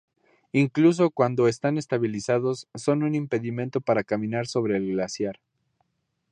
Incluso cuando están estabilizados, son un impedimento para caminar sobre el glaciar.